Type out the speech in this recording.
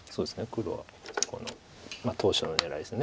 黒はこの当初の狙いです。